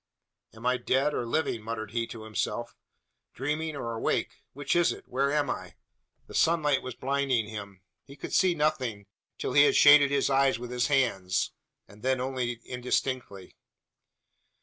"Am I dead, or living?" muttered he to himself. "Dreaming, or awake? Which is it? Where am I?" The sunlight was blinding him. He could see nothing, till he had shaded his eyes with his hand; then only indistinctly.